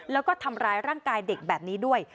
แล้วก็ทำร้ายร่างกายเด็กแบบนี้ด้วย